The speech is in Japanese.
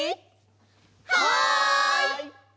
はい！